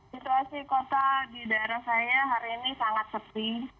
situasi kota di daerah saya hari ini sangat sepi